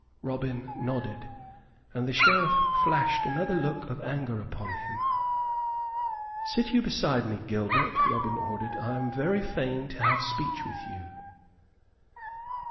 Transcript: Robin nodded; and the Sheriff flashed another look of anger upon him. "Sit you beside me, Gilbert," Robin ordered; "I am very fain to have speech with you."